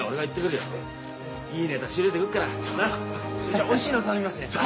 じゃおいしいの頼みますね。